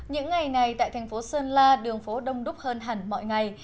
những ngày này tại thành phố sơn la đường phố đông đúc hơn hẳn mọi ngày